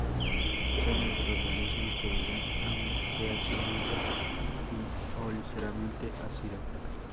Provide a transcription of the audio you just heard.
Son microorganismos que viven a un pH neutro o ligeramente ácido.